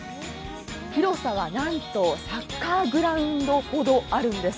広さはなんと、サッカーグラウンドほどあるんです。